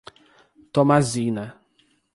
Tomazina